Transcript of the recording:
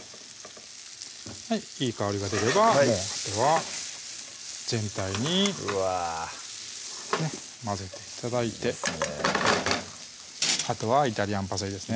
いい香りが出ればもうあとは全体にうわぁ混ぜて頂いてあとはイタリアンパセリですね